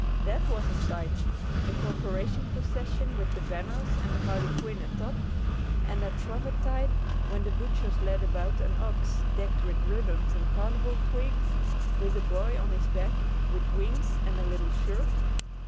That was a sight! the corporation procession with the banners and the harlequin atop, and at Shrovetide, when the butchers led about an ox decked with ribbons and carnival twigs, with a boy on his back with wings and a little shirt....